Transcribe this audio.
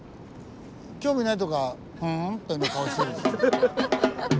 興味ないとこは「ふん」というような顔してるし。